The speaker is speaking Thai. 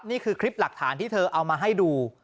นี่คือคลิปหลักฐานที่เธอเอามาให้ดู